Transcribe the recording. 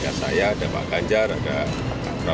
ya saya ada pak ganjar ada prabowo